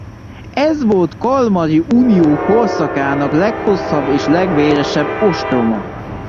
Ez volt kalmari unió korszakának leghosszabb és legvéresebb ostroma.